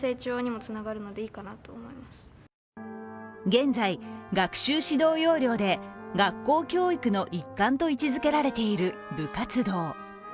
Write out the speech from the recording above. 現在、学習指導要領で学校教育の一環と位置づけられている部活動。